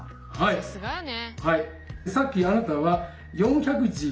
さすがやね。